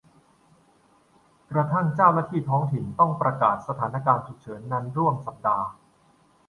กระทั่งเจ้าหน้าที่ท้องถิ่นต้องประกาศสถานการณ์ฉุกเฉินนานร่วมสัปดาห์